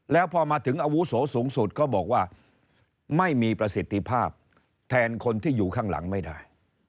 แล้วพอมาถึงอาวุโสสูงสุดเขาบอกว่าไม่มีประสิทธิภาพแทนคนที่อยู่ข้างหลังไม่ได้